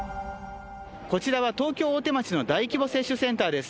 こちらは東京・大手町の大規模接種センターです。